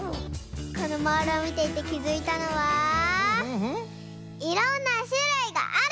このモールをみていてきづいたのは「いろんなしゅるいがある！」